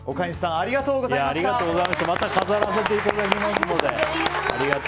ありがとうございます。